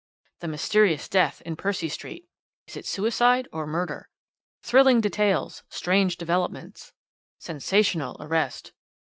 "'The mysterious death in Percy Street.' 'Is it Suicide or Murder?' 'Thrilling details Strange developments.' 'Sensational Arrest.'